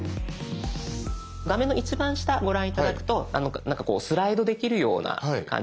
画面の一番下ご覧頂くとこうスライドできるような感じになってますよね。